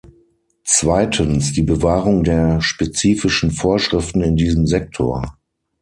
Zweitens die Bewahrung der spezifischen Vorschriften in diesem Sektor.